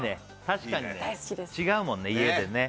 確かにね違うもんね